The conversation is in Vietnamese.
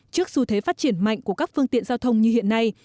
trước xu thế phát triển mạnh của các phương tiện giao thông như hiện nay